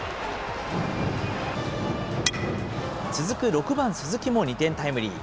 続く６番鈴木も２点タイムリー。